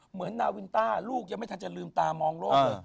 เหมือนนาวินต้าลูกยังไม่ทันจะลืมตามองโลกหน่อย